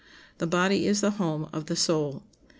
The body is the home of the soul.